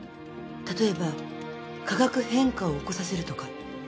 例えば化学変化を起こさせるとか。